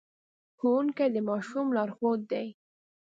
ښوونکي د ماشوم لارښود دي.